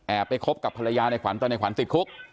ไปคบกับภรรยาในขวัญตอนในขวัญติดคุก